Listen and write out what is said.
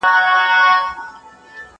دا ليکنه له هغه ښه ده!؟